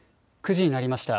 ９時になりました。